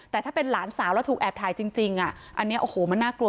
แต่ถ้าเป็นหลานสาวแล้วถูกแอบถ่ายจริงอันนี้โอ้โหมันน่ากลัว